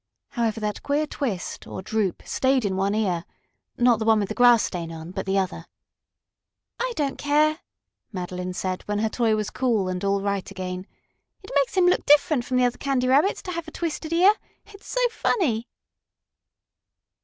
However, that queer twist, or droop, stayed in one ear not the one with the grass stain on, but the other. "I don't care," Madeline said, when her toy was cool and all right again. "It makes him look different from the other Candy Rabbits to have a twisted ear. It's so funny!"